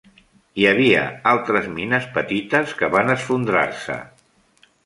Hi havia altres mines petites que van esfondrar-se.